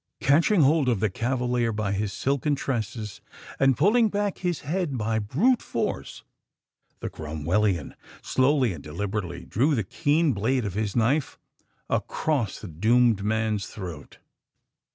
"Catching hold of the Cavalier by his silken tresses, and pulling back his head by brute force, the Cromwellian slowly and deliberately drew the keen blade of his knife across the doomed man's throat.